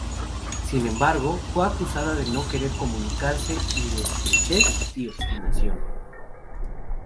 Sin embargo, fue acusada de no querer comunicarse y de "estrechez" y "obstinación".